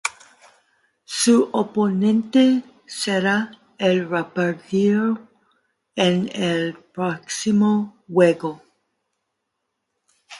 Su oponente será el repartidor en el próximo juego.